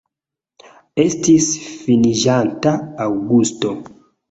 Estis finiĝanta aŭgusto.